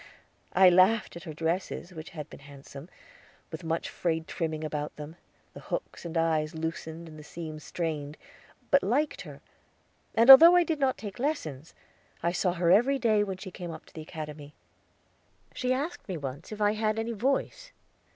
I laughed at her dresses which had been handsome, with much frayed trimming about them, the hooks and eyes loosened and the seams strained, but liked her, and although I did not take lessons, saw her every day when she came up to the Academy. She asked me once if I had any voice.